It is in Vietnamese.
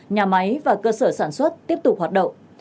nhà máy và cơ sở sản xuất tiếp tục hoạt động